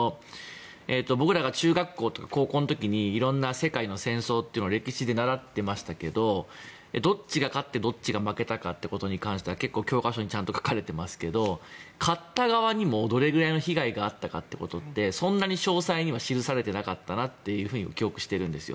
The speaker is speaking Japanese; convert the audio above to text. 僕らが中学校や高校の時にいろんな世界の戦争というのを歴史で習ってましたけどどっちが勝ってどっちが負けたかということは結構、教科書にちゃんと書かれていますけども勝った側にもどれぐらいの被害があったかってそんなに詳細には記されていなかったと記憶しているんですよ。